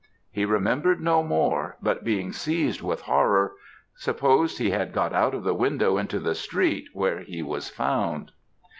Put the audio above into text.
He remembered no more, but being seized with horror, supposed he had got out of the window into the street, where he was found.